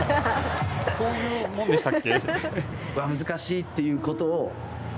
そういうもんでしたっけ。